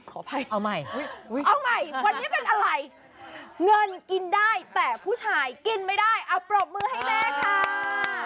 ขออภัยเอาใหม่เอาใหม่วันนี้เป็นอะไรเงินกินได้แต่ผู้ชายกินไม่ได้เอาปรบมือให้แม่ค่ะ